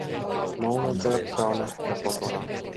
Maunon Pertta on ehkä kotona.